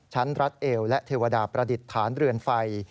รัฐเอวและเทวดาประดิษฐานเรือนไฟ